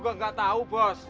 ya pada u